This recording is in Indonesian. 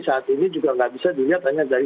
saat ini juga nggak bisa dilihat hanya dari